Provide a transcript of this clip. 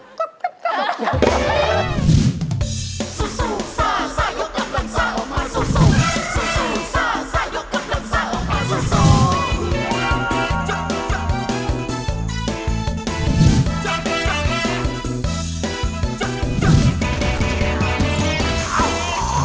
สุดท้ายสุดท้ายสุดท้าย